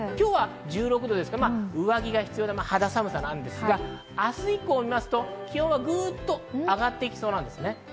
今日は１６度ですから上着が必要という肌寒さなんですが、明日以降を見ますと、気温はぐっと上がってきそうです。